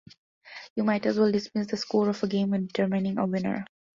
You might as well dismiss the score of a game when determining a winner.